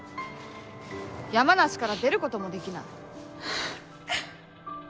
山梨から出る事もできない。